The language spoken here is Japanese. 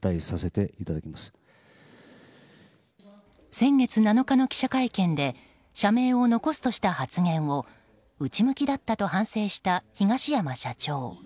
先月７日の記者会見で社名を残すとした発言を内向きだったと反省した東山社長。